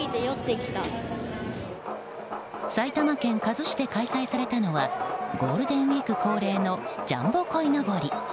埼玉県加須市で開催されたのはゴールデンウィーク恒例のジャンボこいのぼり。